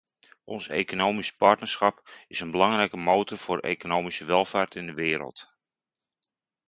Ons economisch partnerschap is een belangrijke motor voor economische welvaart in de wereld.